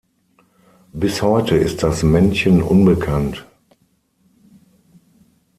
Bis heute ist das Männchen unbekannt.